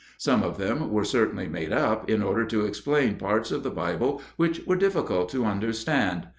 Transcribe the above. Some of them were certainly made up in order to explain parts of the Bible which were difficult to understand.